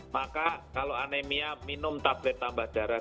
maka kalau anemia minum tablet tambah darah